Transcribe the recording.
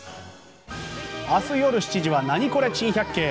明日夜７時は「ナニコレ珍百景」。